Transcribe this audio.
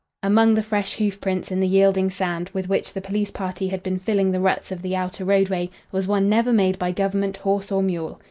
Among the fresh hoof prints in the yielding sand, with which the police party had been filling the ruts of the outer roadway, was one never made by government horse or mule.